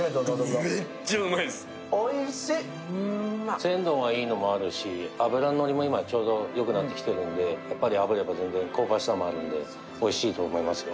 鮮度がいいのもあるし、脂のりも、今ちょうどよくなってきてるしあぶれば香ばしさもあるので、おいしいと思いますよ。